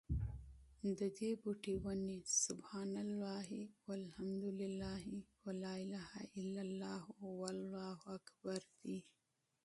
ددي بوټي، وني: سُبْحَانَ اللهِ وَالْحَمْدُ للهِ وَلَا إِلَهَ إلَّا اللهُ وَاللهُ أكْبَرُ دي